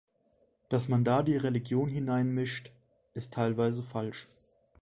Dass man da die Religion hineinmischt, ist teilweise falsch.